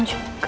woy diam dulu